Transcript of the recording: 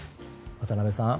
渡辺さん